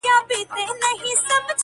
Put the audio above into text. • نن دي سترګي سمي دمي ميکدې دی..